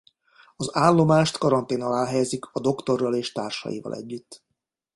Az állomást karantén alá helyezik a Doktorral és társaival együtt.